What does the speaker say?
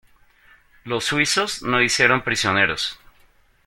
Los suizos no hicieron prisioneros.